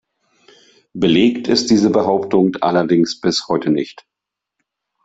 Belegt ist diese Behauptung allerdings bis heute nicht.